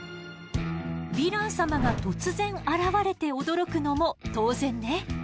ヴィラン様が突然現れて驚くのも当然ね。